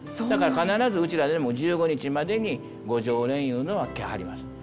だから必ずうちらでも１５日までに御常連いうのは来はります。